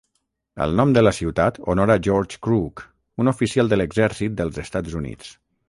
El nom de la ciutat honora George Crook, un oficial de l'exèrcit dels Estats Units.